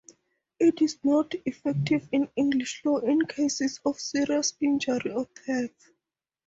It is not effective in English law in cases of serious injury or death.